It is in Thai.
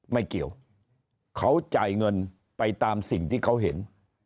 ไม่เกี่ยวเขาจ่ายเงินไปตามสิ่งที่เขาเห็น